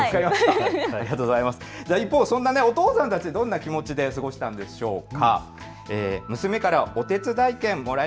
一方そんなお父さんたち、どんな気持ちで過ごしたのでしょうか。